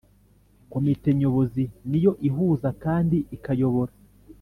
Komite Nyobozi ni yo ihuza kandi ikayobora